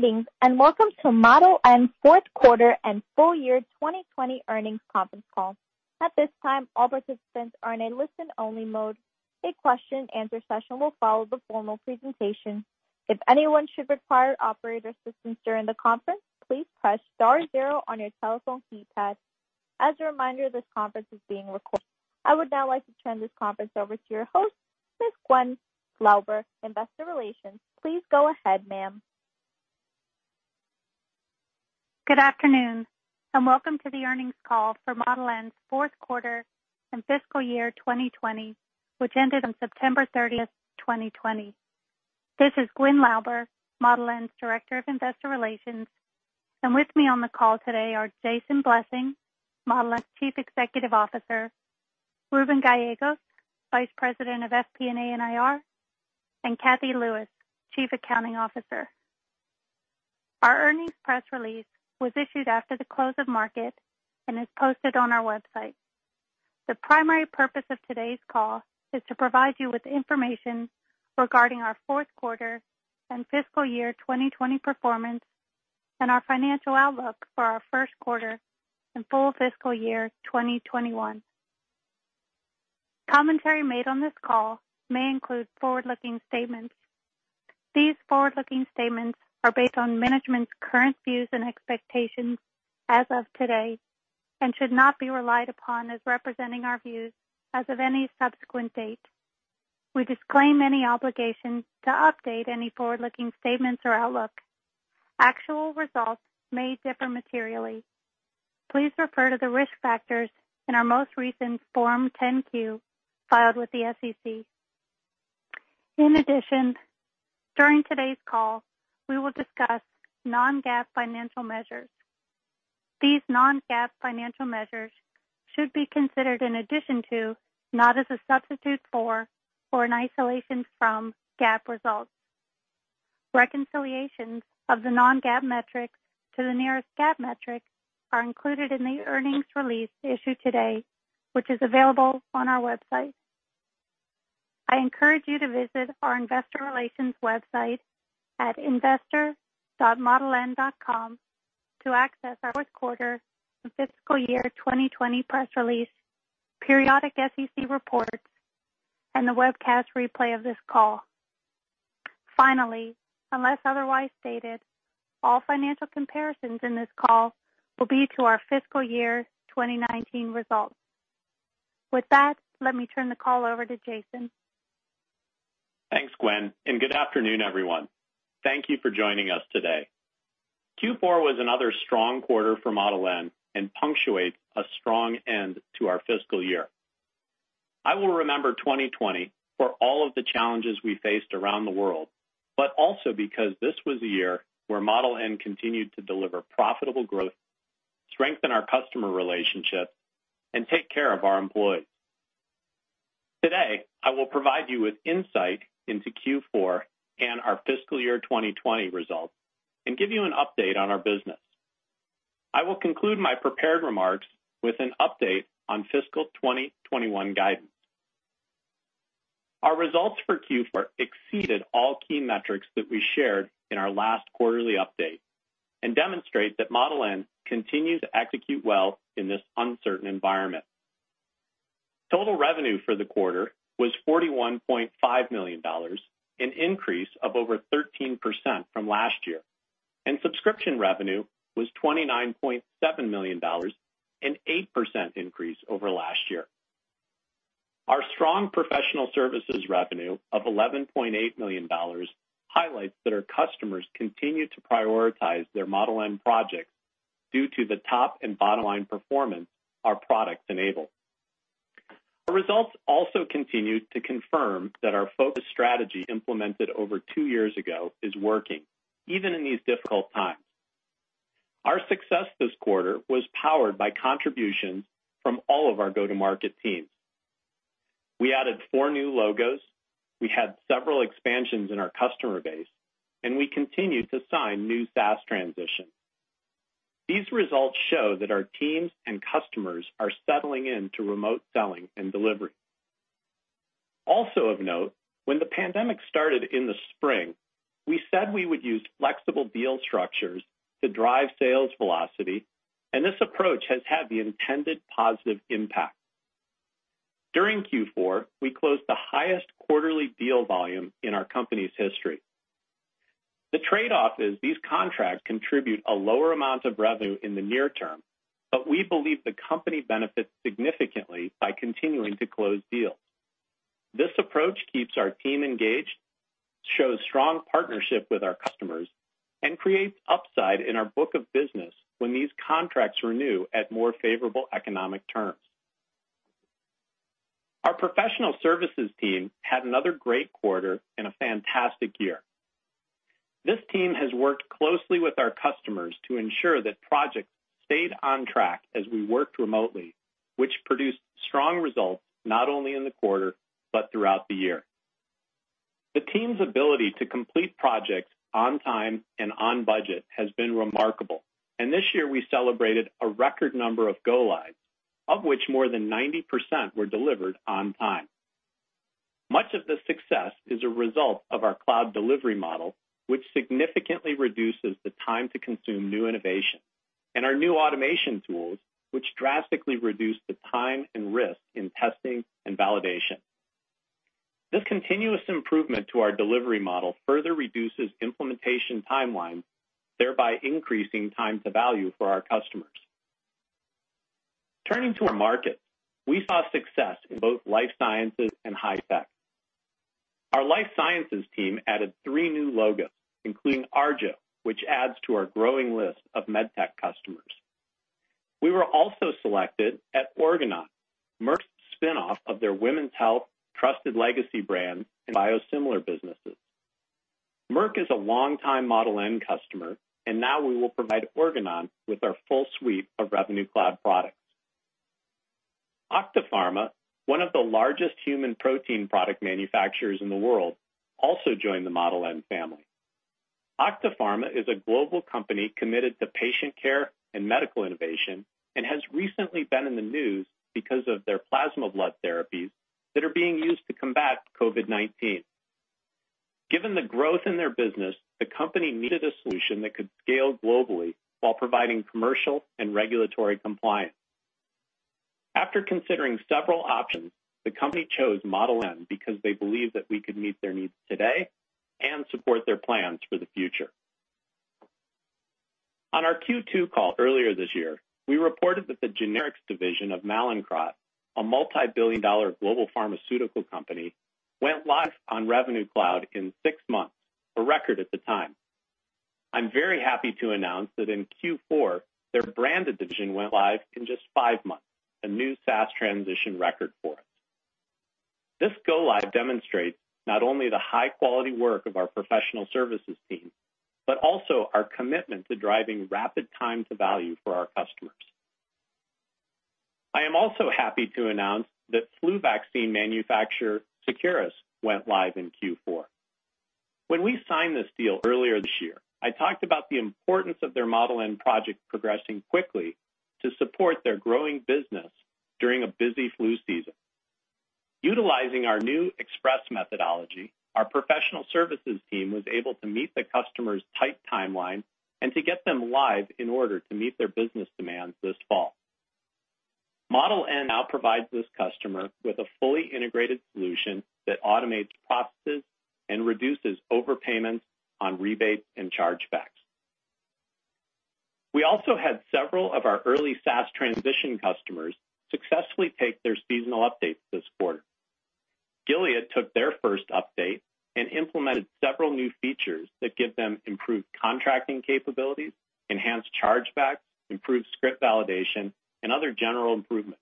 [Greetings] and welcome to Model N's fourth quarter and full year 2020 earnings conference call. At this time all participants are in a listen-only mode. A question-and-answer session will follow the formal presentation. If anyone should require operator's assistance during the conference, please press star zero on your telephone keypad. As a reminder this conference is being recorded. I would now like to turn this conference over to your host, Ms. Gwyn Lauber, Investor Relations. Please go ahead, ma'am. Good afternoon and welcome to the earnings call for Model N's fourth quarter and fiscal year 2020, which ended on September 30th, 2020. This is Gwyn Lauber, Model N's Director of Investor Relations, and with me on the call today are Jason Blessing, Model N's Chief Executive Officer, Reuben Gallegos, Vice President of FP&A and IR, and Cathy Lewis, Chief Accounting Officer. Our earnings press release was issued after the close of market and is posted on our website. The primary purpose of today's call is to provide you with information regarding our fourth quarter and fiscal year 2020 performance, and our financial outlook for our first quarter and full fiscal year 2021. Commentary made on this call may include forward-looking statements. These forward-looking statements are based on management's current views and expectations as of today and should not be relied upon as representing our views as of any subsequent date. We disclaim any obligation to update any forward-looking statements or outlook. Actual results may differ materially. Please refer to the risk factors in our most recent Form 10-Q filed with the SEC. In addition, during today's call, we will discuss non-GAAP financial measures. These non-GAAP financial measures should be considered in addition to, not as a substitute for or in isolation from, GAAP results. Reconciliations of the non-GAAP metrics to the nearest GAAP metric are included in the earnings release issued today, which is available on our website. I encourage you to visit our investor relations website at investor.modeln.com to access our fourth quarter and fiscal year 2020 press release, periodic SEC reports, and the webcast replay of this call. Finally, unless otherwise stated, all financial comparisons in this call will be to our fiscal year 2019 results. With that, let me turn the call over to Jason. Thanks, Gwyn, and good afternoon, everyone. Thank you for joining us today. Q4 was another strong quarter for Model N and punctuates a strong end to our fiscal year. I will remember 2020 for all of the challenges we faced around the world, but also because this was a year where Model N continued to deliver profitable growth, strengthen our customer relationships, and take care of our employees. Today, I will provide you with insight into Q4 and our fiscal year 2020 results and give you an update on our business. I will conclude my prepared remarks with an update on fiscal 2021 guidance. Our results for Q4 exceeded all key metrics that we shared in our last quarterly update and demonstrate that Model N continues to execute well in this uncertain environment. Total revenue for the quarter was $41.5 million, an increase of over 13% from last year, and subscription revenue was $29.7 million, an 8% increase over last year. Our strong professional services revenue of $11.8 million highlights that our customers continue to prioritize their Model N projects due to the top and bottom-line performance our products enable. Our results also continue to confirm that our focus strategy implemented over two years ago is working, even in these difficult times. Our success this quarter was powered by contributions from all of our go-to-market teams. We added four new logos, we had several expansions in our customer base, and we continued to sign new SaaS transitions. These results show that our teams and customers are settling in to remote selling and delivery. Also of note, when the pandemic started in the spring, we said we would use flexible deal structures to drive sales velocity, and this approach has had the intended positive impact. During Q4, we closed the highest quarterly deal volume in our company's history. The trade-off is these contracts contribute a lower amount of revenue in the near term, but we believe the company benefits significantly by continuing to close deals. This approach keeps our team engaged, shows strong partnership with our customers, and creates upside in our book of business when these contracts renew at more favorable economic terms. Our professional services team had another great quarter and a fantastic year. This team has worked closely with our customers to ensure that projects stayed on track as we worked remotely, which produced strong results not only in the quarter but throughout the year. The team's ability to complete projects on time and on budget has been remarkable, and this year we celebrated a record number of go lives, of which more than 90% were delivered on time. Much of the success is a result of our cloud delivery model, which significantly reduces the time to consume new innovation, and our new automation tools, which drastically reduce the time and risk in testing and validation. This continuous improvement to our delivery model further reduces implementation timelines, thereby increasing time to value for our customers. Turning to our markets, we saw success in both life sciences and high-tech. Our life sciences team added three new logos, including Arjo, which adds to our growing list of med tech customers. We were also selected at Organon, Merck's spinoff of their women's health trusted legacy brands and biosimilar businesses. Merck is a longtime Model N customer, and now we will provide Organon with our full suite of Revenue Cloud products. Octapharma, one of the largest human protein product manufacturers in the world, also joined the Model N family. Octapharma is a global company committed to patient care and medical innovation and has recently been in the news because of their plasma blood therapies that are being used to combat COVID-19. Given the growth in their business, the company needed a solution that could scale globally while providing commercial and regulatory compliance. After considering several options, the company chose Model N because they believed that we could meet their needs today and support their plans for the future. On our Q2 call earlier this year, we reported that the generics division of Mallinckrodt, a multibillion-dollar global pharmaceutical company, went live on Revenue Cloud in six months, a record at the time. I am very happy to announce that in Q4, their branded division went live in just five months, a new SaaS transition record for us. This go-live demonstrates not only the high-quality work of our professional services team, but also our commitment to driving rapid time to value for our customers. I am also happy to announce that flu vaccine manufacturer Seqirus went live in Q4. When we signed this deal earlier this year, I talked about the importance of their Model N project progressing quickly to support their growing business during a busy flu season. Utilizing our new Express methodology, our professional services team was able to meet the customer's tight timeline and to get them live in order to meet their business demands this fall. Model N now provides this customer with a fully integrated solution that automates processes and reduces overpayments on rebates and chargebacks. We also had several of our early SaaS transition customers successfully take their seasonal updates this quarter. Gilead took their first update and implemented several new features that give them improved contracting capabilities, enhanced chargebacks, improved script validation, and other general improvements.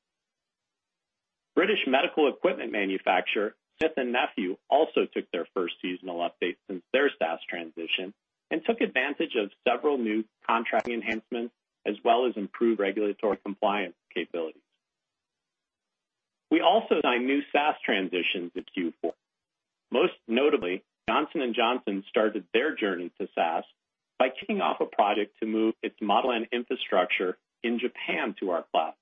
British medical equipment manufacturer, Smith+Nephew, also took their first seasonal update since their SaaS transition and took advantage of several new contracting enhancements, as well as improved regulatory compliance capabilities. We also signed new SaaS transitions in Q4. Most notably, Johnson & Johnson started their journey to SaaS by kicking off a project to move its Model N infrastructure in Japan to our cloud.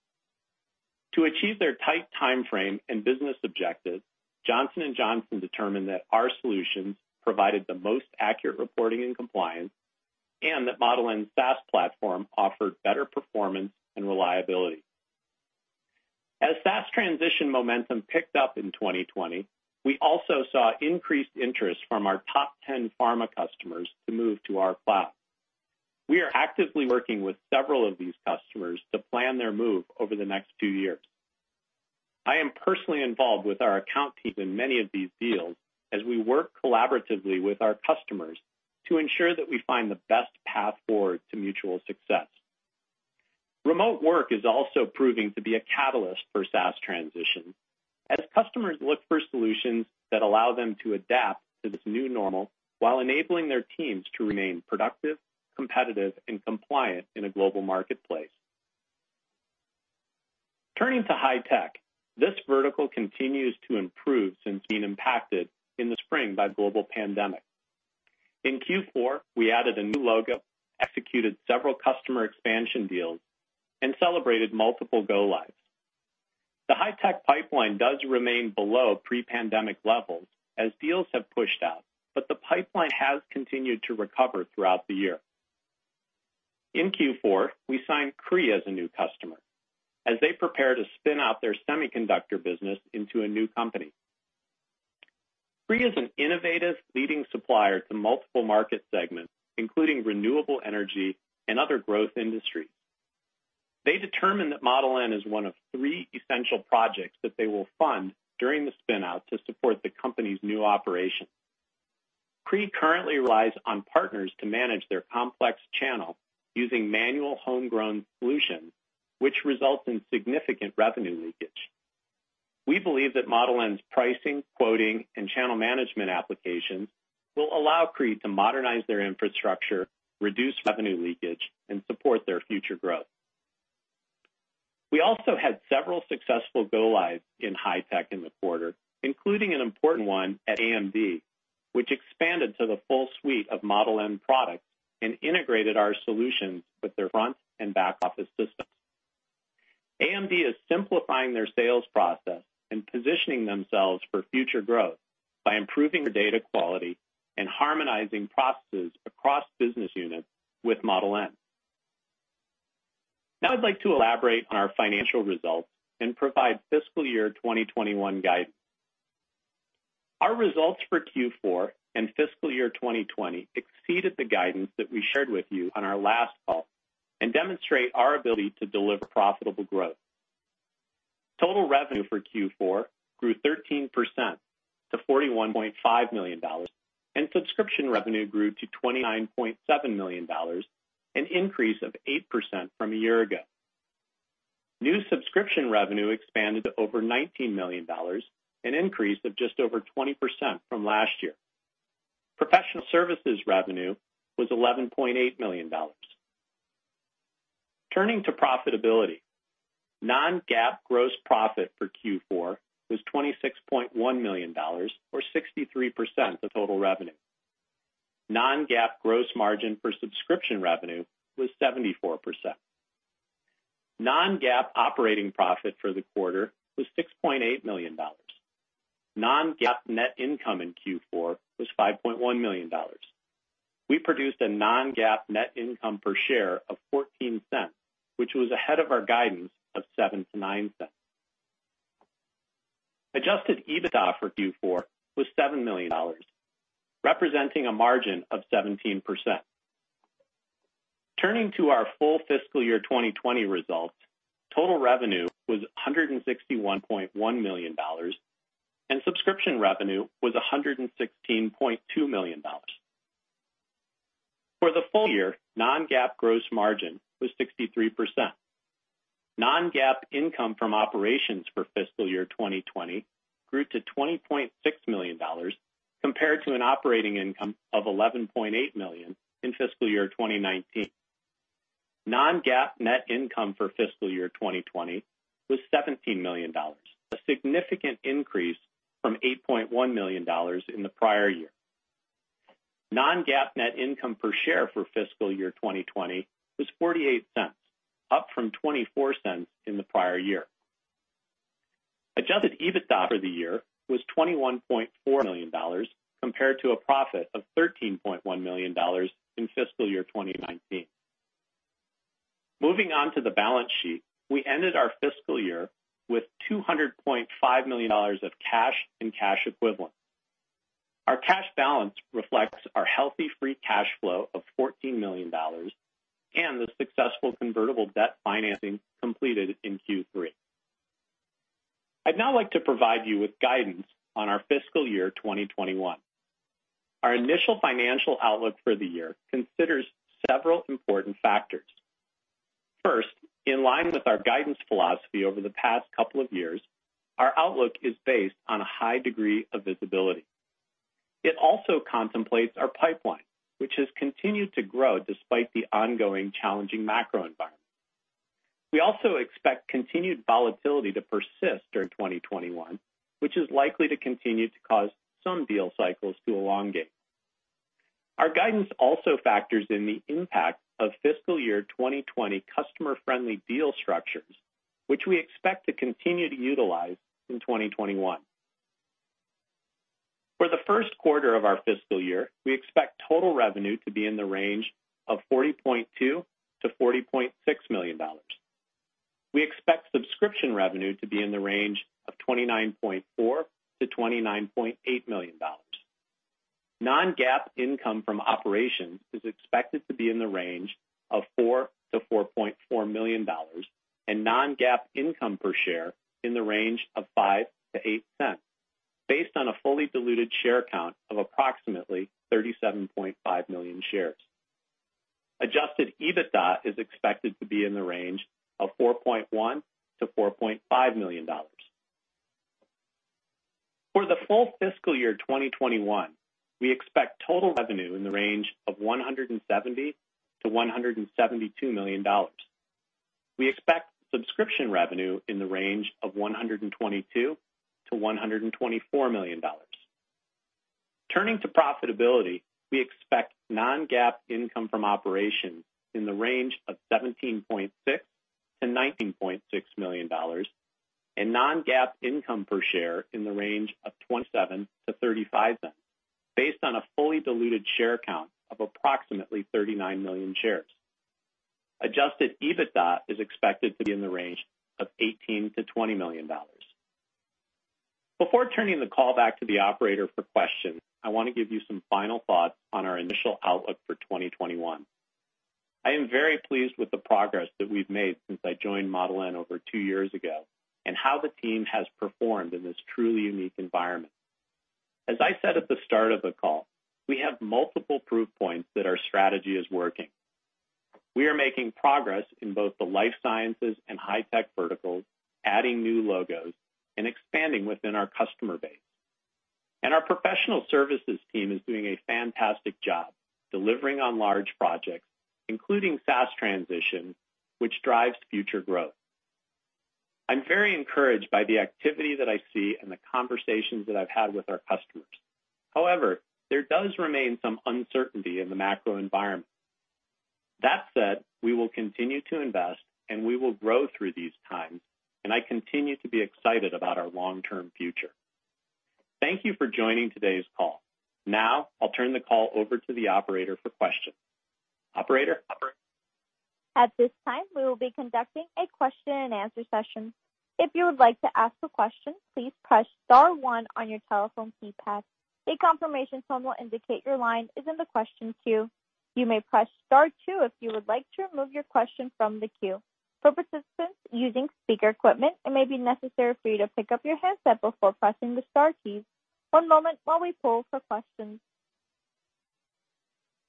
To achieve their tight timeframe and business objectives, Johnson & Johnson determined that our solutions provided the most accurate reporting and compliance and that Model N's SaaS platform offered better performance and reliability. As SaaS transition momentum picked up in 2020, we also saw increased interest from our top 10 pharma customers to move to our cloud. We are actively working with several of these customers to plan their move over the next two years. I am personally involved with our account team in many of these deals as we work collaboratively with our customers to ensure that we find the best path forward to mutual success. Remote work is also proving to be a catalyst for SaaS transition as customers look for solutions that allow them to adapt to this new normal while enabling their teams to remain productive, competitive, and compliant in a global marketplace. Turning to high-tech, this vertical continues to improve since being impacted in the spring by global pandemic. In Q4, we added a new logo, executed several customer expansion deals, and celebrated multiple go-lives. The high-tech pipeline does remain below pre-pandemic levels as deals have pushed out, but the pipeline has continued to recover throughout the year. In Q4, we signed Cree as a new customer as they prepare to spin out their semiconductor business into a new company. Cree is an innovative leading supplier to multiple market segments, including renewable energy and other growth industries. They determined that Model N is one of three essential projects that they will fund during the spin-out to support the company's new operation. Cree currently relies on partners to manage their complex channel using manual homegrown solutions, which results in significant revenue leakage. We believe that Model N's pricing, quoting, and channel management applications will allow Cree to modernize their infrastructure, reduce revenue leakage, and support their future growth. We also had several successful go-lives in high-tech in the quarter, including an important one at AMD, which expanded to the full suite of Model N products and integrated our solutions with their front and back-office systems. AMD is simplifying their sales process and positioning themselves for future growth by improving their data quality and harmonizing processes across business units with Model N. Now, I'd like to elaborate on our financial results and provide fiscal year 2021 guidance. Our results for Q4 and fiscal year 2020 exceeded the guidance that we shared with you on our last call and demonstrate our ability to deliver profitable growth. Total revenue for Q4 grew 13% to $41.5 million, and subscription revenue grew to $29.7 million, an increase of 8% from a year ago. New subscription revenue expanded to over $19 million, an increase of just over 20% from last year. Professional services revenue was $11.8 million. Turning to profitability, non-GAAP gross profit for Q4 was $26.1 million, or 63% of total revenue. Non-GAAP gross margin for subscription revenue was 74%. Non-GAAP operating profit for the quarter was $6.8 million. Non-GAAP net income in Q4 was $5.1 million. We produced a non-GAAP net income per share of $0.14, which was ahead of our guidance of $0.07-$0.09. Adjusted EBITDA for Q4 was $7 million, representing a margin of 17%. Turning to our full fiscal year 2020 results, total revenue was $161.1 million, and subscription revenue was $116.2 million. For the full year, non-GAAP gross margin was 63%. Non-GAAP income from operations for fiscal year 2020 grew to $20.6 million compared to an operating income of $11.8 million in fiscal year 2019. Non-GAAP net income for fiscal year 2020 was $17 million, a significant increase from $8.1 million in the prior year. Non-GAAP net income per share for fiscal year 2020 was $0.48, up from $0.24 in the prior year. Adjusted EBITDA for the year was $21.4 million compared to a profit of $13.1 million in fiscal year 2019. Moving on to the balance sheet, we ended our fiscal year with $200.5 million of cash and cash equivalents. Our cash balance reflects our healthy free cash flow of $14 million and the successful convertible debt financing completed in Q3. I'd now like to provide you with guidance on our fiscal year 2021. Our initial financial outlook for the year considers several important factors. First, in line with our guidance philosophy over the past couple of years, our outlook is based on a high degree of visibility. It also contemplates our pipeline, which has continued to grow despite the ongoing challenging macro environment. We also expect continued volatility to persist during 2021, which is likely to continue to cause some deal cycles to elongate. Our guidance also factors in the impact of fiscal year 2020 customer-friendly deal structures, which we expect to continue to utilize in 2021. For the first quarter of our fiscal year, we expect total revenue to be in the range of $40.2 million-$40.6 million. We expect subscription revenue to be in the range of $29.4 million-$29.8 million. Non-GAAP income from operations is expected to be in the range of $4 million-$4.4 million and non-GAAP income per share in the range of $0.05 to $0.08 based on a fully diluted share count of approximately 37.5 million shares. Adjusted EBITDA is expected to be in the range of $4.1 million-$4.5 million. For the full fiscal year 2021, we expect total revenue in the range of $170 million-$172 million. We expect subscription revenue in the range of $122 million-$124 million. Turning to profitability, we expect non-GAAP income from operations in the range of $17.6 million-$19.6 million and non-GAAP income per share in the range of $0.27 to $0.35 based on a fully diluted share count of approximately 39 million shares. Adjusted EBITDA is expected to be in the range of $18 million-$20 million. Before turning the call back to the operator for questions, I want to give you some final thoughts on our initial outlook for 2021. I am very pleased with the progress that we've made since I joined Model N over two years ago and how the team has performed in this truly unique environment. As I said at the start of the call, we have multiple proof points that our strategy is working. We are making progress in both the life sciences and high-tech verticals, adding new logos, and expanding within our customer base. Our professional services team is doing a fantastic job delivering on large projects, including SaaS transition, which drives future growth. I'm very encouraged by the activity that I see and the conversations that I've had with our customers. However, there does remain some uncertainty in the macro environment. That said, we will continue to invest, and we will grow through these times, and I continue to be excited about our long-term future. Thank you for joining today's call. Now, I'll turn the call over to the operator for questions. Operator? At this time, we will be conducting a question-and answer-session. If you would like to ask a question, please press star one on your telephone keypad. A confirmation tone will indicate your line is in the question queue. You may press star two if you would like to remove your question from the queue. For participants using speaker equipment, it may be necessary for you to pick up your handset before pressing the star keys. One moment while we poll for questions.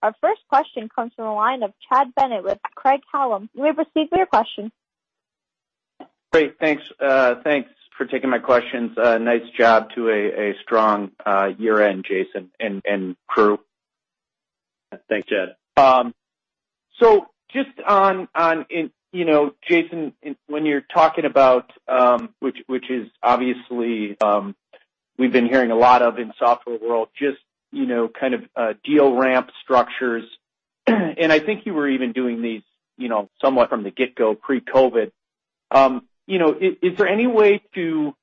Our first question comes from the line of Chad Bennett with Craig-Hallum. You may proceed with your question. Great. Thanks for taking my questions. Nice job to a strong year-end, Jason and crew. Thanks, Chad. Just on, Jason, when you're talking about which is obviously, we've been hearing a lot of in software world, just kind of deal ramp structures. I think you were even doing these somewhat from the get-go pre-COVID. Is there any way to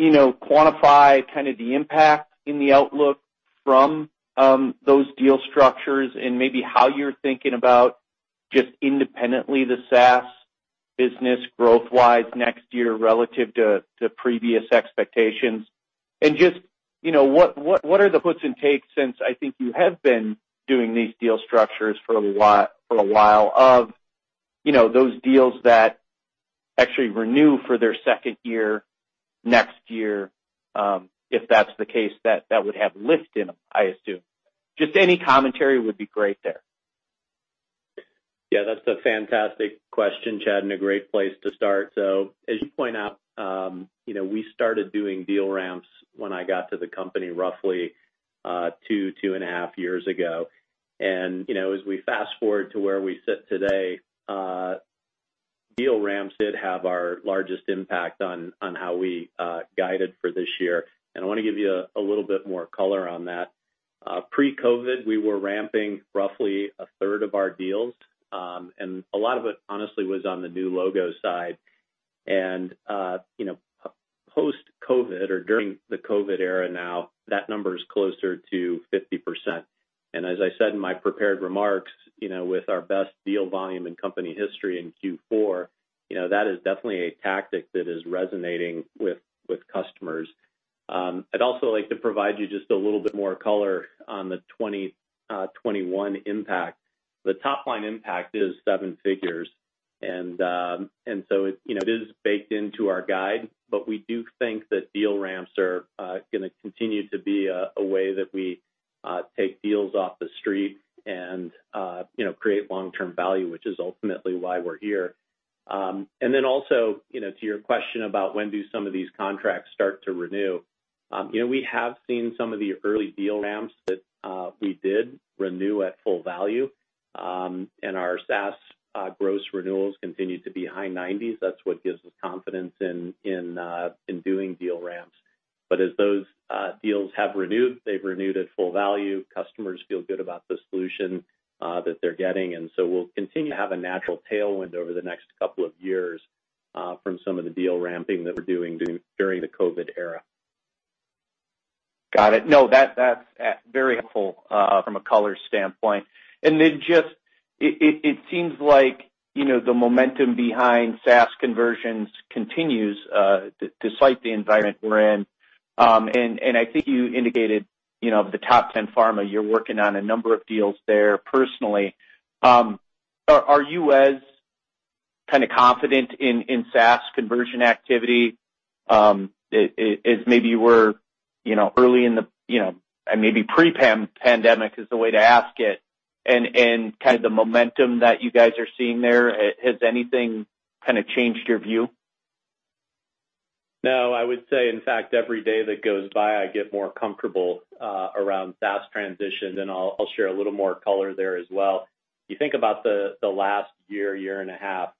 quantify kind of the impact in the outlook from those deal structures and maybe how you're thinking about just independently the SaaS business growth-wise next year relative to previous expectations? Just what are the puts and takes since I think you have been doing these deal structures for a while of those deals that actually renew for their second year, next year, if that's the case, that would have lift in them, I assume. Just any commentary would be great there? Yeah, that's a fantastic question, Chad, and a great place to start. As you point out, we started doing deal ramps when I got to the company roughly two, two and a half years ago. As we fast-forward to where we sit today, deal ramps did have our largest impact on how we guided for this year. I want to give you a little bit more color on that. Pre-COVID, we were ramping roughly a third of our deals. A lot of it honestly was on the new logo side. Post-COVID or during the COVID era now, that number is closer to 50%. As I said in my prepared remarks with our best deal volume in company history in Q4, that is definitely a tactic that is resonating with customers. I'd also like to provide you just a little bit more color on the 2021 impact. The top-line impact is seven figures. It is baked into our guide, but we do think that deal ramps are going to continue to be a way that we take deals off the street and create long-term value, which is ultimately why we're here. Also, to your question about when do some of these contracts start to renew. We have seen some of the early deal ramps that we did renew at full value, and our SaaS gross renewals continue to be high 90s. That's what gives us confidence in doing deal ramps. As those deals have renewed, they've renewed at full value, customers feel good about the solution that they're getting, and so we'll continue to have a natural tailwind over the next couple of years from some of the deal ramping that we're doing during the COVID era. Got it. No, that's very helpful from a color standpoint. It seems like the momentum behind SaaS conversions continues despite the environment we're in. I think you indicated, the top 10 pharma, you're working on a number of deals there personally. Are you as kind of confident in SaaS conversion activity as maybe you were early in the, and maybe pre-pandemic is the way to ask it, and kind of the momentum that you guys are seeing there, has anything kind of changed your view? No, I would say, in fact, every day that goes by, I get more comfortable around SaaS transition. I'll share a little more color there as well. You think about the last year, year and a half,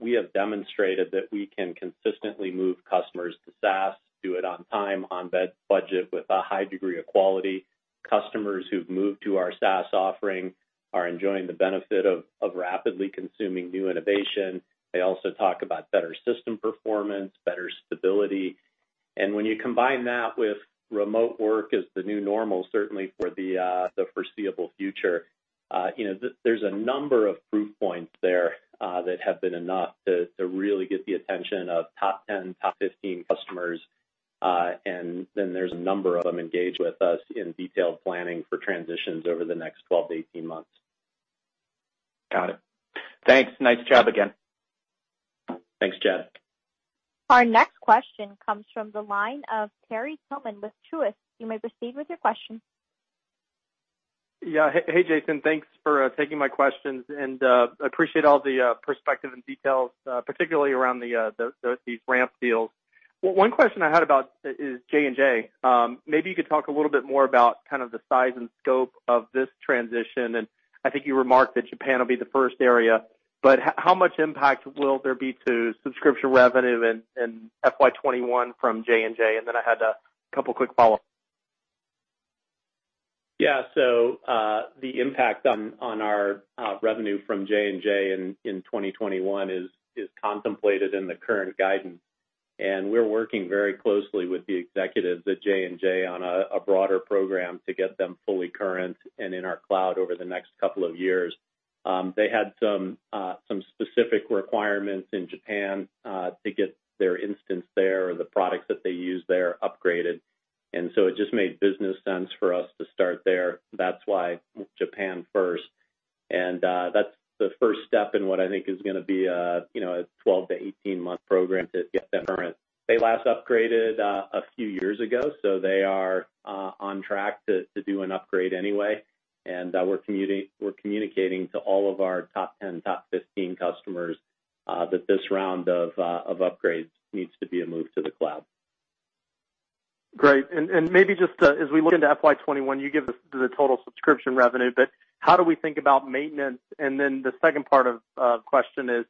we have demonstrated that we can consistently move customers to SaaS, do it on time, on budget, with a high degree of quality. Customers who've moved to our SaaS offering are enjoying the benefit of rapidly consuming new innovation. They also talk about better system performance, better stability. When you combine that with remote work as the new normal, certainly for the foreseeable future there's a number of proof points there that have been enough to really get the attention of top 10, top 15 customers. Then there's a number of them engaged with us in detailed planning for transitions over the next 12-18 months. Got it. Thanks. Nice job again. Thanks, Chad. Our next question comes from the line of Terry Tillman with Truist. You may proceed with your question. Yeah. Hey, Jason. Thanks for taking my questions and appreciate all the perspective and details, particularly around these ramp deals. One question I had about is J&J. Maybe you could talk a little bit more about kind of the size and scope of this transition, and I think you remarked that Japan will be the first area, but how much impact will there be to subscription revenue in FY 2021 from J&J? I had a couple quick follow-ups. Yeah. The impact on our revenue from J&J in 2021 is contemplated in the current guidance. We're working very closely with the executives at J&J on a broader program to get them fully current and in our cloud over the next couple of years. They had some specific requirements in Japan to get their instance there or the products that they use there upgraded. It just made business sense for us to start there. That's why Japan first. That's the first step in what I think is going to be a 12- to 18-month program to get them current. They last upgraded a few years ago, so they are on track to do an upgrade anyway. We're communicating to all of our top 10, top 15 customers that this round of upgrades needs to be a move to the cloud. Great. Maybe just as we look into FY 2021, you give us the total subscription revenue, but how do we think about maintenance? Then the second part of question is,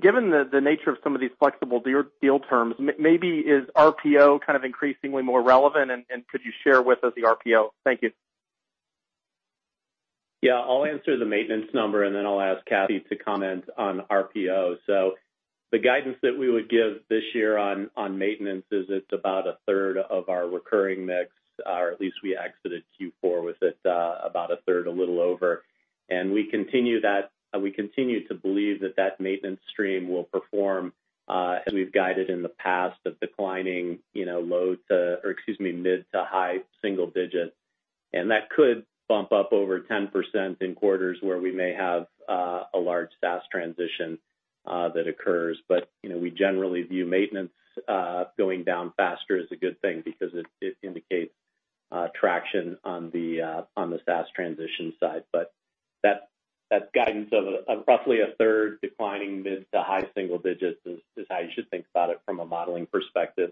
given the nature of some of these flexible deal terms, maybe is RPO kind of increasingly more relevant? Could you share with us the RPO? Thank you. I'll answer the maintenance number, then I'll ask Cathy to comment on RPO. The guidance that we would give this year on maintenance is it's about a third of our recurring mix. At least we exited Q4 with it about a third, a little over. We continue to believe that that maintenance stream will perform as we've guided in the past of declining mid- to high-single digits. That could bump up over 10% in quarters where we may have a large SaaS transition that occurs. We generally view maintenance going down faster as a good thing because it indicates traction on the SaaS transition side. That guidance of roughly a third declining mid- to high-single digits is how you should think about it from a modeling perspective.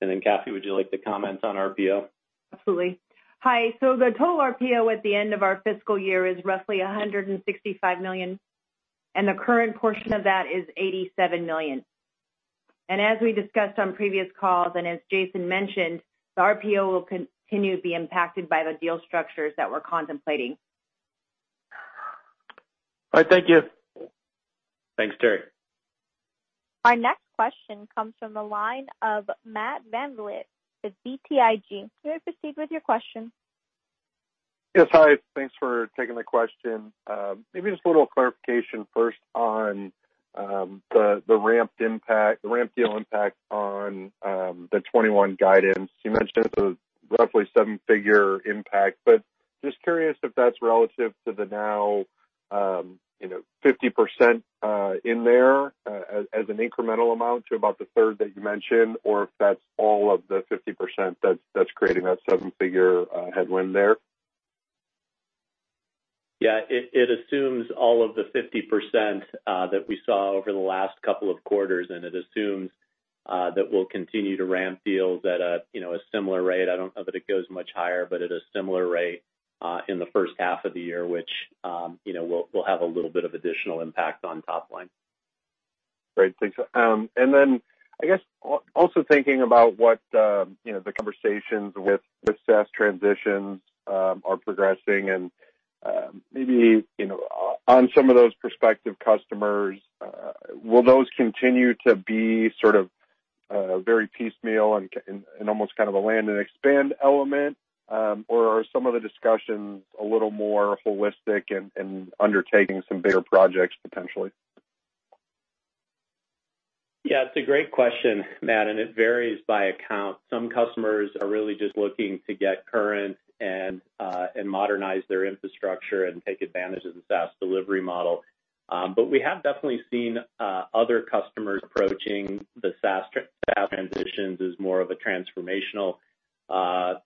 Then, Cathy, would you like to comment on RPO? Absolutely. Hi. The total RPO at the end of our fiscal year is roughly $165 million, and the current portion of that is $87 million. As we discussed on previous calls, and as Jason mentioned, the RPO will continue to be impacted by the deal structures that we're contemplating. All right. Thank you. Thanks, Terry. Our next question comes from the line of Matt VanVliet of BTIG. You may proceed with your question. Yes. Hi, thanks for taking the question. Just a little clarification first on the ramp deal impact on the 2021 guidance. You mentioned it's a roughly seven-figure impact, but just curious if that's relative to the now 50% in there as an incremental amount to about the third that you mentioned, or if that's all of the 50% that's creating that seven-figure headwind there. Yeah. It assumes all of the 50% that we saw over the last couple of quarters, and it assumes that we'll continue to ramp deals at a similar rate. I don't know that it goes much higher, but at a similar rate in the first half of the year, which will have a little bit of additional impact on top line. Great. Thanks. Then, I guess, also thinking about what the conversations with SaaS transitions are progressing and maybe on some of those prospective customers, will those continue to be sort of very piecemeal and almost kind of a land and expand element? Or are some of the discussions a little more holistic and undertaking some bigger projects potentially? Yeah, it's a great question, Matt. It varies by account. Some customers are really just looking to get current and modernize their infrastructure and take advantage of the SaaS delivery model. We have definitely seen other customers approaching the SaaS transitions as more of a transformational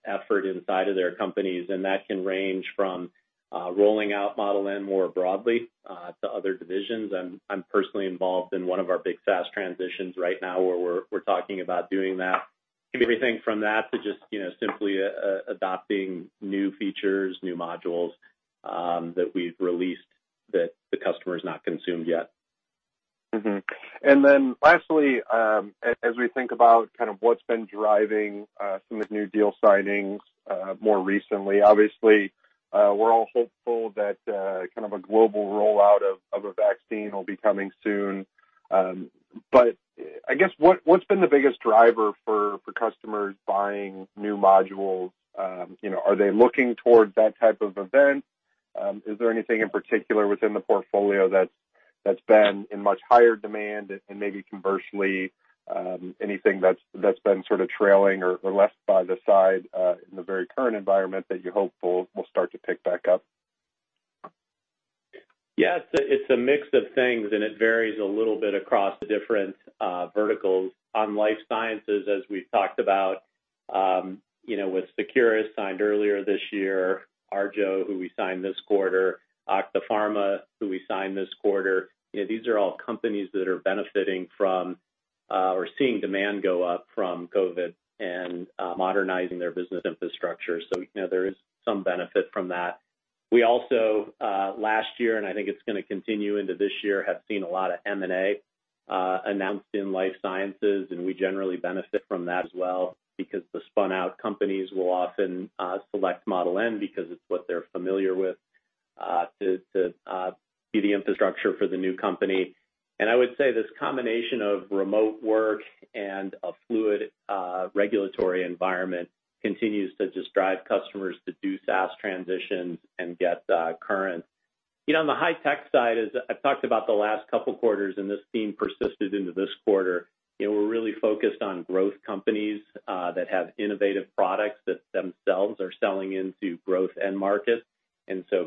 effort inside of their companies. That can range from rolling out Model N more broadly to other divisions. I'm personally involved in one of our big SaaS transitions right now where we're talking about doing that. Everything from that to just simply adopting new features, new modules that we've released that the customer's not consumed yet. Lastly, as we think about kind of what's been driving some of the new deal signings more recently, obviously, we're all hopeful that kind of a global rollout of a vaccine will be coming soon. I guess, what's been the biggest driver for customers buying new modules? Are they looking towards that type of event? Is there anything in particular within the portfolio that's been in much higher demand and maybe conversely, anything that's been sort of trailing or left by the side in the very current environment that you're hopeful will start to pick back up? It's a mix of things, and it varies a little bit across the different verticals. On life sciences, as we've talked about with Seqirus signed earlier this year, Arjo, who we signed this quarter, Octapharma, who we signed this quarter, these are all companies that are benefiting from or seeing demand go up from COVID and modernizing their business infrastructure. There is some benefit from that. We also, last year, and I think it's going to continue into this year, have seen a lot of M&A announced in life sciences, and we generally benefit from that as well because the spun-out companies will often select Model N because it's what they're familiar with to be the infrastructure for the new company. I would say this combination of remote work and a fluid regulatory environment continues to just drive customers to do SaaS transitions and get current. On the high-tech side, as I've talked about the last couple of quarters, and this theme persisted into this quarter, we're really focused on growth companies that have innovative products that themselves are selling into growth end markets.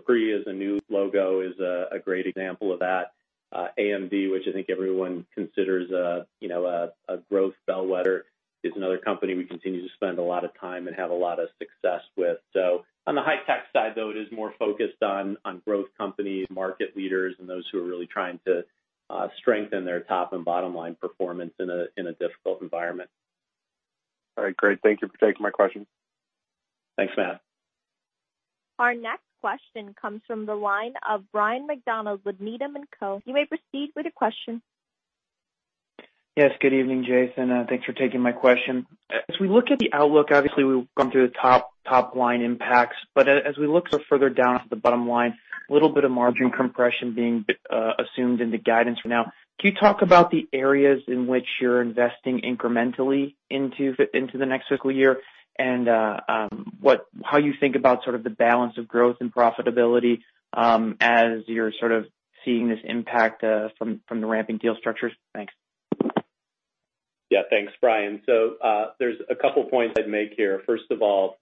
Cree as a new logo is a great example of that. AMD, which I think everyone considers a growth bellwether, is another company we continue to spend a lot of time and have a lot of success with. On the high-tech side, though, it is more focused on growth companies, market leaders, and those who are really trying to strengthen their top and bottom-line performance in a difficult environment. All right, great. Thank you for taking my question. Thanks, Matt. Our next question comes from the line of Ryan MacDonald with Needham & Co. You may proceed with your question. Yes, good evening, Jason. Thanks for taking my question. As we look at the outlook, obviously, we've gone through the top-line impacts, but as we look further down to the bottom line, a little bit of margin compression being assumed in the guidance for now. Can you talk about the areas in which you're investing incrementally into the next fiscal year and how you think about sort of the balance of growth and profitability as you're sort of seeing this impact from the ramping deal structures? Thanks. Yeah. Thanks, Ryan. There's a couple points I'd make here. First of all,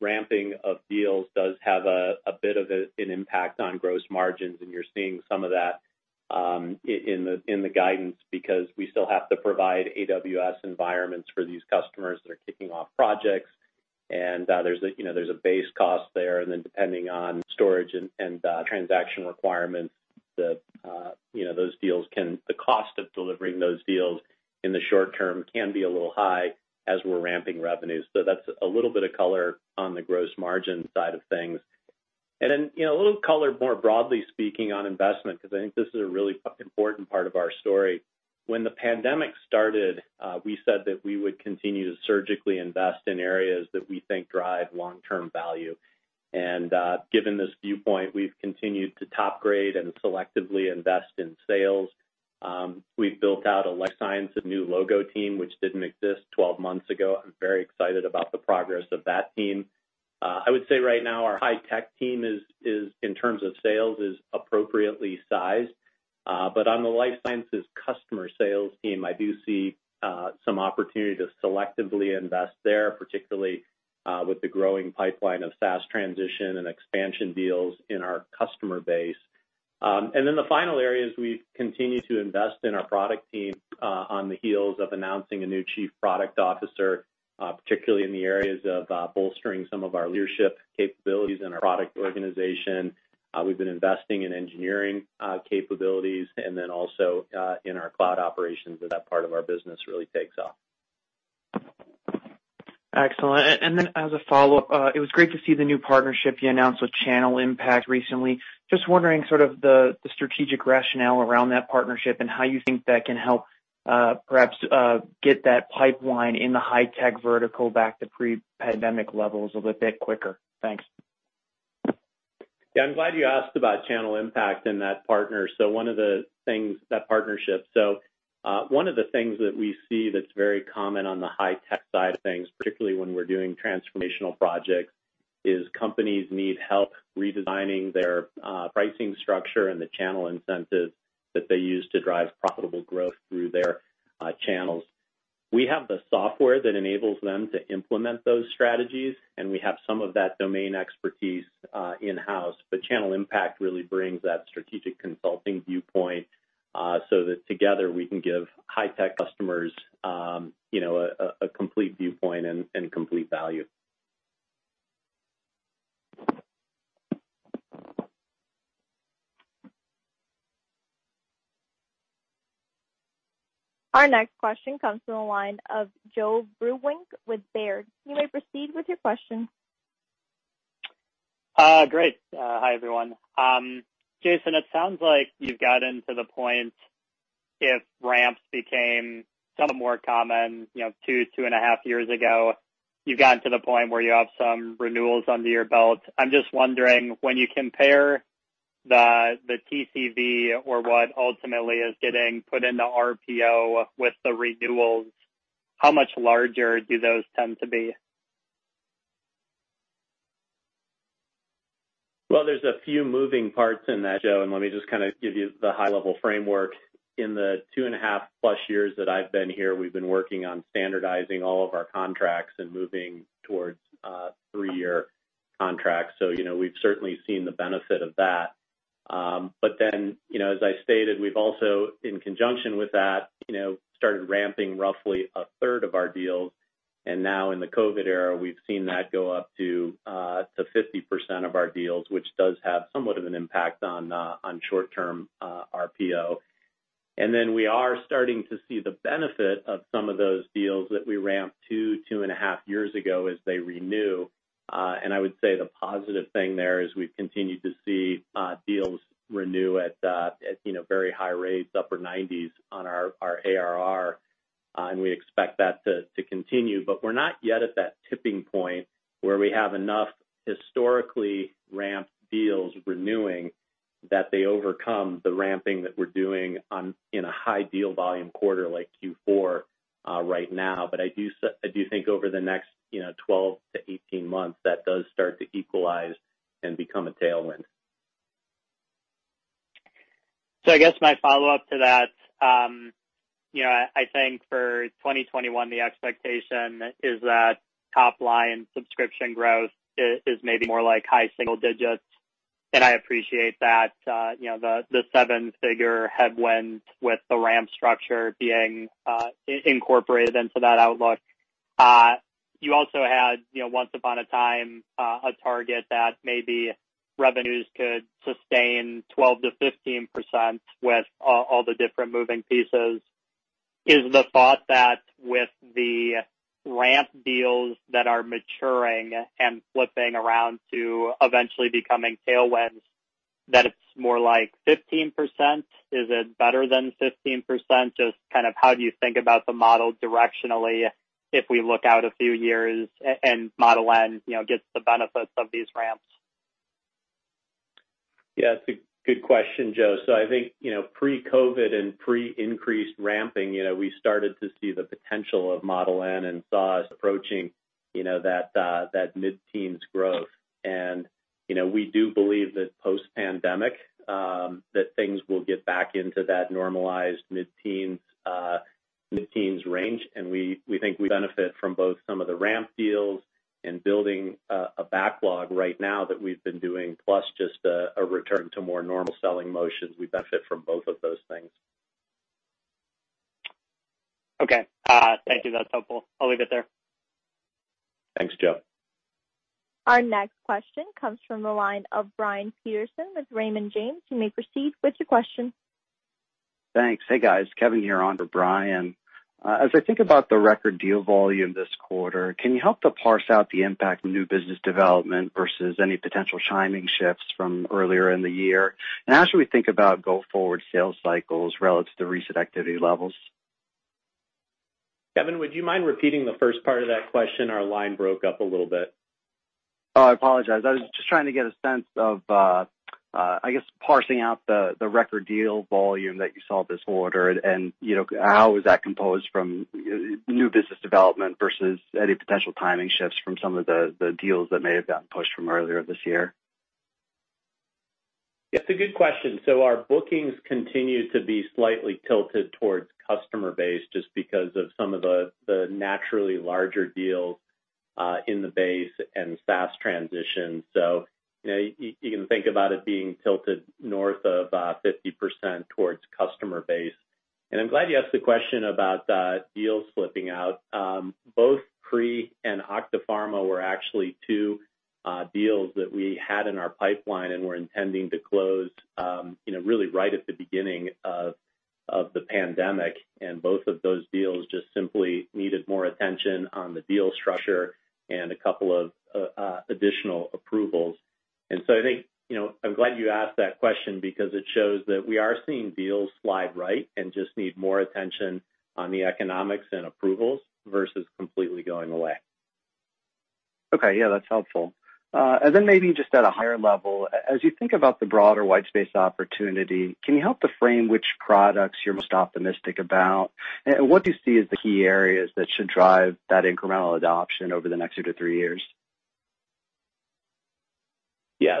ramping of deals does have a bit of an impact on gross margins, and you're seeing some of that in the guidance because we still have to provide AWS environments for these customers that are kicking off projects. There's a base cost there, and then depending on storage and transaction requirements, the cost of delivering those deals in the short term can be a little high as we're ramping revenues. That's a little bit of color on the gross margin side of things. A little color, more broadly speaking, on investment, because I think this is a really important part of our story. When the pandemic started, we said that we would continue to surgically invest in areas that we think drive long-term value. Given this viewpoint, we've continued to top-grade and selectively invest in sales. We've built out a life sciences new logo team, which didn't exist 12 months ago. I'm very excited about the progress of that team. I would say right now our high-tech team, in terms of sales, is appropriately sized. On the life sciences customer sales team, I do see some opportunity to selectively invest there, particularly with the growing pipeline of SaaS transition and expansion deals in our customer base. The final area is we've continued to invest in our product team on the heels of announcing a new chief product officer, particularly in the areas of bolstering some of our leadership capabilities in our product organization. We've been investing in engineering capabilities and then also in our cloud operations as that part of our business really takes off. Excellent. As a follow-up, it was great to see the new partnership you announced with Channel Impact recently. Just wondering sort of the strategic rationale around that partnership and how you think that can help perhaps get that pipeline in the high-tech vertical back to pre-pandemic levels a little bit quicker? Thanks. Yeah, I'm glad you asked about Channel Impact and that partnership. One of the things that we see that's very common on the high-tech side of things, particularly when we're doing transformational projects, is companies need help redesigning their pricing structure and the channel incentives that they use to drive profitable growth through their channels. We have the software that enables them to implement those strategies, and we have some of that domain expertise in-house, but Channel Impact really brings that strategic consulting viewpoint so that together we can give high-tech customers a complete viewpoint and complete value. Our next question comes from the line of Joe Vruwink with Baird. You may proceed with your question. Great. Hi, everyone. Jason, it sounds like you've gotten to the point, if ramps became somewhat more common two, two and a half years ago, you've gotten to the point where you have some renewals under your belt. I'm just wondering, when you compare the TCV or what ultimately is getting put into RPO with the renewals, how much larger do those tend to be? There's a few moving parts in that, Joe, and let me just kind of give you the high-level framework. In the two and a half plus years that I've been here, we've been working on standardizing all of our contracts and moving towards three-year contracts, so we've certainly seen the benefit of that. But then, as I stated, we've also, in conjunction with that, started ramping roughly a third of our deals. Now in the COVID era, we've seen that go up to 50% of our deals, which does have somewhat of an impact on short-term RPO. We are starting to see the benefit of some of those deals that we ramped two, two and a half years ago as they renew. I would say the positive thing there is we've continued to see deals renew at very high rates, upper 90s on our ARR, and we expect that to continue. We're not yet at that tipping point where we have enough historically ramped deals renewing that they overcome the ramping that we're doing in a high deal volume quarter like Q4 right now. I do think over the next 12-18 months, that does start to equalize and become a tailwind. I guess my follow-up to that, I think for 2021, the expectation is that top-line subscription growth is maybe more like high single digits, and I appreciate that the seven-figure headwind with the ramp structure being incorporated into that outlook. You also had, once upon a time, a target that maybe revenues could sustain 12%-15% with all the different moving pieces. Is the thought that with the ramp deals that are maturing and flipping around to eventually becoming tailwinds, that it's more like 15%? Is it better than 15%? Just how do you think about the model directionally if we look out a few years and Model N gets the benefits of these ramps? Yeah, it's a good question, Joe. I think, pre-COVID and pre-increased ramping, we started to see the potential of Model N and SaaS approaching that mid-teens growth. We do believe that post-pandemic, that things will get back into that normalized mid-teens range, and we think we benefit from both some of the ramp deals and building a backlog right now that we've been doing, plus just a return to more normal selling motions. We benefit from both of those things. Okay. Thank you. That's helpful. I'll leave it there. Thanks, Joe. Our next question comes from the line of Brian Peterson with Raymond James. You may proceed with your question. Thanks. Hey, guys. Kevin here on for Brian. As I think about the record deal volume this quarter, can you help to parse out the impact of new business development versus any potential timing shifts from earlier in the year? As we think about go-forward sales cycles relative to recent activity levels? Kevin, would you mind repeating the first part of that question? Our line broke up a little bit. Oh, I apologize. I was just trying to get a sense of, I guess, parsing out the record deal volume that you saw this quarter and how was that composed from new business development versus any potential timing shifts from some of the deals that may have gotten pushed from earlier this year? It's a good question. Our bookings continue to be slightly tilted towards customer base just because of some of the naturally larger deals in the base and SaaS transition. You can think about it being tilted north of 50% towards customer base. I'm glad you asked the question about deals slipping out. Both Cree and Octapharma were actually two deals that we had in our pipeline and were intending to close really right at the beginning of the pandemic, and both of those deals just simply needed more attention on the deal structure and a couple of additional approvals. I'm glad you asked that question because it shows that we are seeing deals slide right and just need more attention on the economics and approvals versus completely going away. Okay. Yeah, that's helpful. Then maybe just at a higher level, as you think about the broader white space opportunity, can you help to frame which products you're most optimistic about? What do you see as the key areas that should drive that incremental adoption over the next two to three years? Yeah.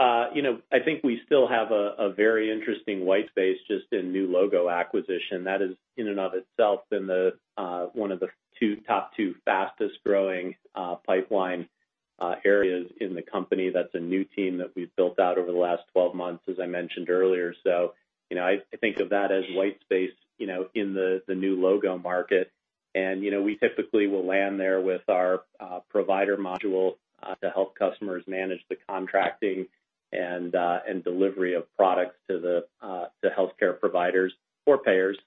I think we still have a very interesting white space just in new logo acquisition. That has, in and of itself, been one of the top two fastest-growing pipeline areas in the company. That's a new team that we've built out over the last 12 months, as I mentioned earlier. I think of that as white space in the new logo market. We typically will land there with our Provider module to help customers manage the contracting and delivery of products to the healthcare providers or payers,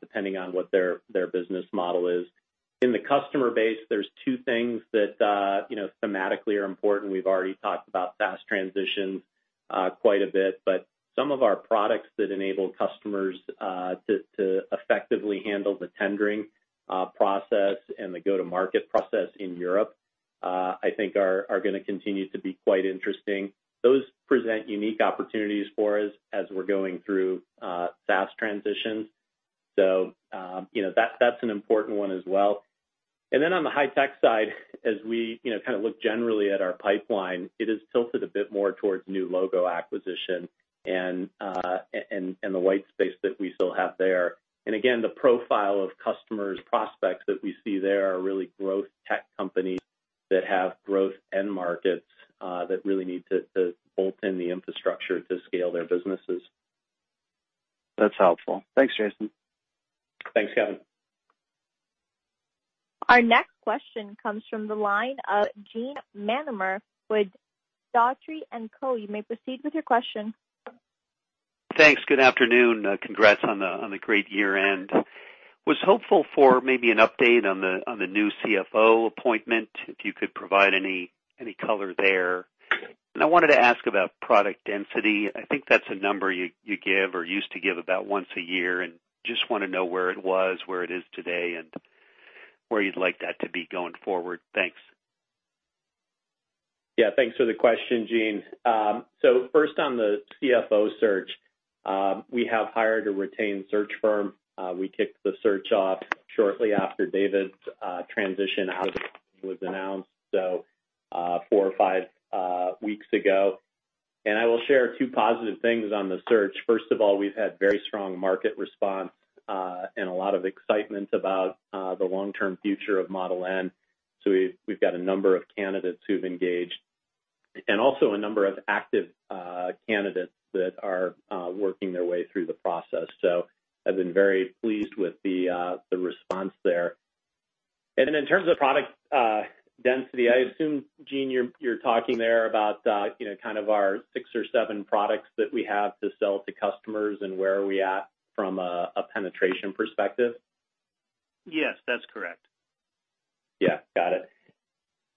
depending on what their business model is. In the customer base, there's two things that thematically are important. We've already talked about SaaS transitions quite a bit, but some of our products that enable customers to effectively handle the tendering process and the go-to-market process in Europe, I think are going to continue to be quite interesting. Those present unique opportunities for us as we're going through SaaS transitions. That's an important one as well. Then on the high-tech side, as we look generally at our pipeline, it is tilted a bit more towards new logo acquisition and the white space that we still have there. Again, the profile of customers prospects that we see there are really growth tech companies that have growth end markets that really need to bolt in the infrastructure to scale their businesses. That's helpful. Thanks, Jason. Thanks, Kevin. Our next question comes from the line of Gene Mannheimer with Dougherty & Co. You may proceed with your question. Thanks. Good afternoon. Congrats on the great year-end. Was hopeful for maybe an update on the new CFO appointment, if you could provide any color there? I wanted to ask about product density. I think that's a number you give or used to give about once a year, and just want to know where it was, where it is today, and where you'd like that to be going forward. Thanks. Yeah. Thanks for the question, Gene. First on the CFO search, we have hired a retained search firm. We kicked the search off shortly after David's transition out of the company was announced, so four or five weeks ago. I will share two positive things on the search. First of all, we've had very strong market response, and a lot of excitement about the long-term future of Model N. We've got a number of candidates who've engaged and also a number of active candidates that are working their way through the process. I've been very pleased with the response there. In terms of product density, I assume, Gene, you're talking there about our six or seven products that we have to sell to customers and where are we at from a penetration perspective. Yes, that's correct. Yeah. Got it.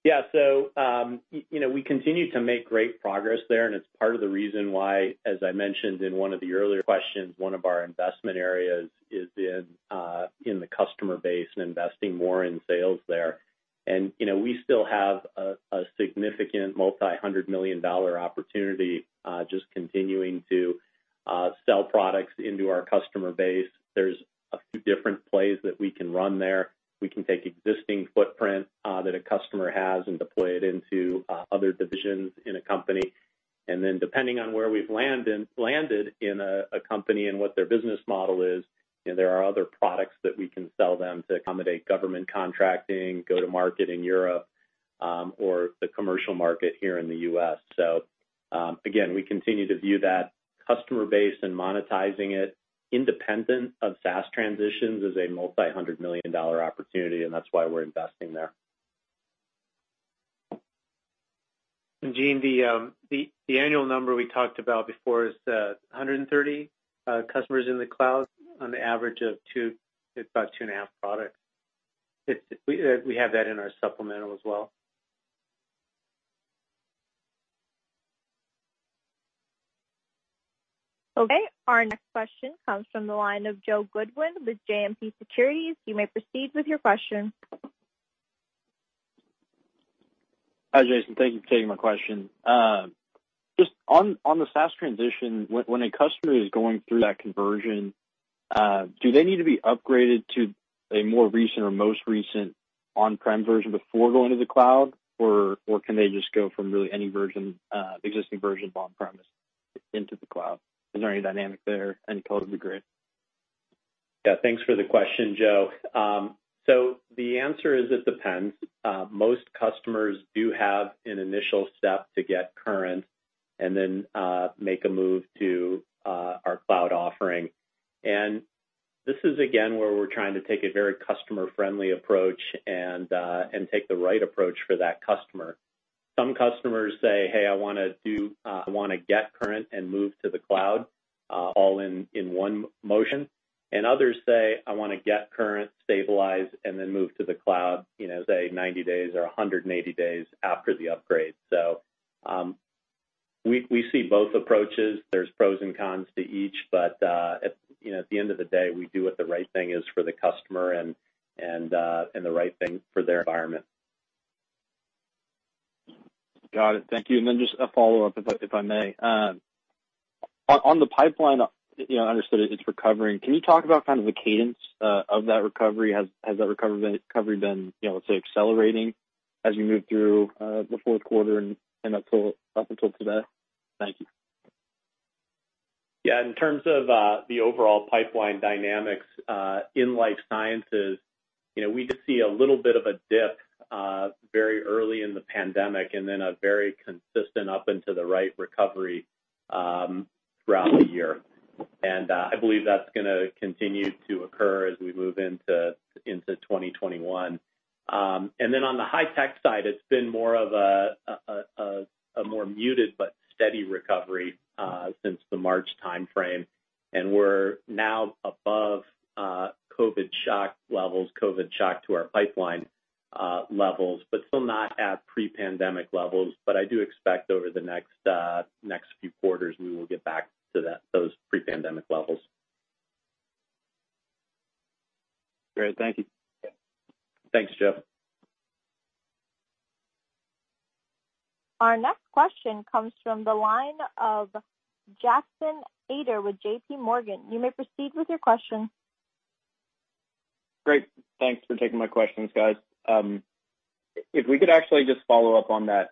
Yeah. We continue to make great progress there, and it's part of the reason why, as I mentioned in one of the earlier questions, one of our investment areas is in the customer base and investing more in sales there. We still have a significant multi-hundred-million-dollar opportunity, just continuing to sell products into our customer base. There's a few different plays that we can run there. We can take existing footprint that a customer has and deploy it into other divisions in a company. Depending on where we've landed in a company and what their business model is, there are other products that we can sell them to accommodate government contracting, go to market in Europe, or the commercial market here in the U.S. Again, we continue to view that customer base and monetizing it independent of SaaS transitions as a multi-hundred-million-dollar opportunity, and that's why we're investing there. Gene, the annual number we talked about before is 130 customers in the cloud on the average of about two and a half products. We have that in our supplemental as well. Okay. Our next question comes from the line of Joe Goodwin with JMP Securities. You may proceed with your question. Hi, Jason. Thank you for taking my question. Just on the SaaS transition, when a customer is going through that conversion, do they need to be upgraded to a more recent or most recent on-prem version before going to the cloud? Or can they just go from really any existing version of on-premise into the cloud? Is there any dynamic there? Any color would be great. Yeah. Thanks for the question, Joe. The answer is it depends. Most customers do have an initial step to get current and then make a move to our cloud offering. This is again, where we're trying to take a very customer-friendly approach and take the right approach for that customer. Some customers say, "Hey, I want to get current and move to the cloud all in one motion". Others say, "I want to get current, stabilize, and then move to the cloud," say, 90 days or 180 days after the upgrade. We see both approaches. There's pros and cons to each, but at the end of the day, we do what the right thing is for the customer and the right thing for their environment. Got it. Thank you. Just a follow-up, if I may. On the pipeline, I understood it's recovering. Can you talk about kind of the cadence of that recovery? Has that recovery been, let's say, accelerating as you move through the fourth quarter and up until today? Thank you. Yeah. In terms of the overall pipeline dynamics in life sciences, we did see a little bit of a dip very early in the pandemic, and then a very consistent up and to the right recovery throughout the year. I believe that's going to continue to occur as we move into 2021. On the high-tech side, it's been a more muted but steady recovery since the March timeframe, and we're now above COVID shock to our pipeline levels, but still not at pre-pandemic levels, but I do expect over the next few quarters, we will get back to those pre-pandemic levels. Great. Thank you. Thanks, Joe. Our next question comes from the line of Jackson Ader with JPMorgan. You may proceed with your question. Great. Thanks for taking my questions, guys. If we could actually just follow up on that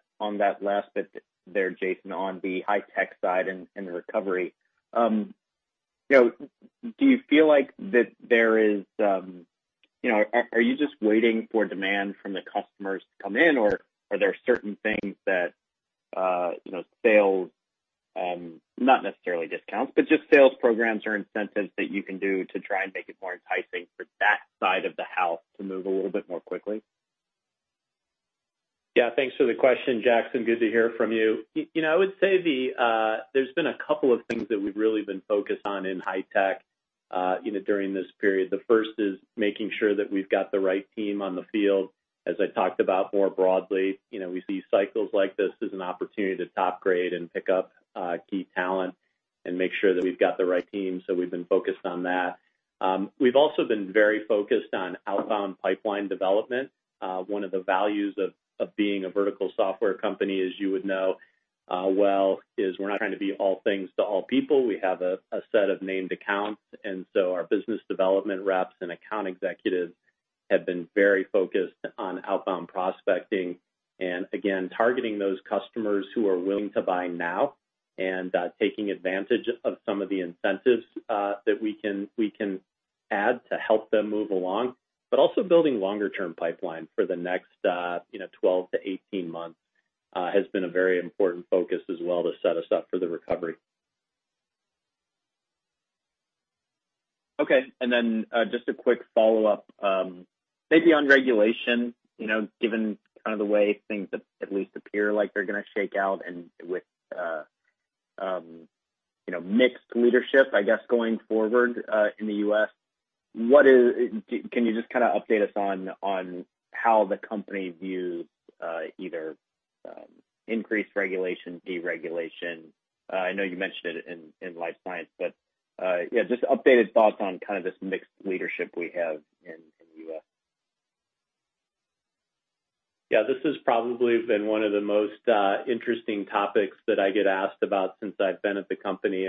last bit there, Jason, on the high-tech side and the recovery. Are you just waiting for demand from the customers to come in, or are there certain things that sales, not necessarily discounts, but just sales programs or incentives that you can do to try and make it more enticing for that side of the house to move a little bit more quickly? Thanks for the question, Jackson. Good to hear from you. I would say there's been a couple of things that we've really been focused on in high-tech during this period. The first is making sure that we've got the right team on the field. As I talked about more broadly, we see cycles like this as an opportunity to top grade and pick up key talent and make sure that we've got the right team. We've been focused on that. We've also been very focused on outbound pipeline development. One of the values of being a vertical software company, as you would know well, is we're not trying to be all things to all people. We have a set of named accounts, and so our business development reps and account executives have been very focused on outbound prospecting and, again, targeting those customers who are willing to buy now and taking advantage of some of the incentives that we can add to help them move along. But also building longer-term pipeline for the next 12-18 months has been a very important focus as well to set us up for the recovery. Okay. Just a quick follow-up. Maybe on regulation, given the way things at least appear like they're going to shake out and with mixed leadership, I guess, going forward in the U.S., can you just update us on how the company views either increased regulation, deregulation? I know you mentioned it in life science, but yeah, just updated thoughts on this mixed leadership we have in the U.S. Yeah. This has probably been one of the most interesting topics that I get asked about since I've been at the company.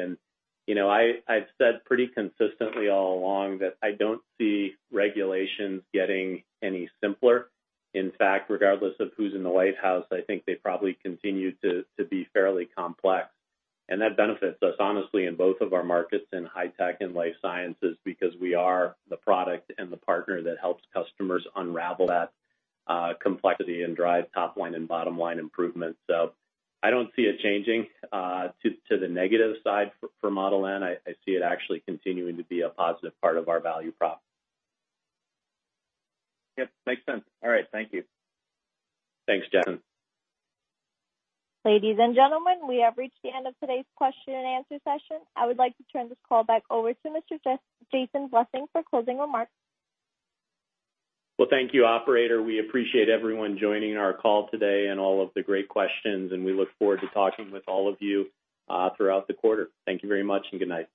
I've said pretty consistently all along that I don't see regulations getting any simpler. In fact, regardless of who's in the White House, I think they probably continue to be fairly complex. That benefits us honestly in both of our markets, in high-tech and life sciences, because we are the product and the partner that helps customers unravel that complexity and drive top-line and bottom-line improvements. I don't see it changing to the negative side for Model N. I see it actually continuing to be a positive part of our value prop. Yep, makes sense. All right, thank you. Thanks, Jackson. Ladies and gentlemen, we have reached the end of today's question-and answer-session. I would like to turn this call back over to Mr. Jason Blessing for closing remarks. Well, thank you, operator. We appreciate everyone joining our call today and all of the great questions, and we look forward to talking with all of you throughout the quarter. Thank you very much and good night.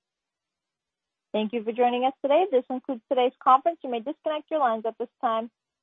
Thank you for joining us today. This concludes today's conference. You may disconnect your lines at this time.